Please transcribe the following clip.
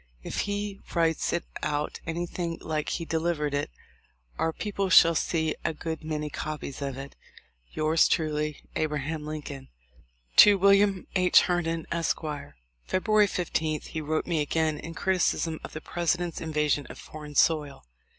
If he writes it out anything like he delivered it our peo ple shall see a good many copies of it. "Yours truly, "A. Lincoln." To Wm, H. Herndon, Esq. February 15 he wrote me again in criticism of the President's invasion of foreign soil.